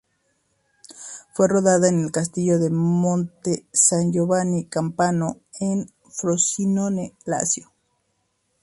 Fue rodada en el Castillo de Monte San Giovanni Campano en Frosinone, Lacio.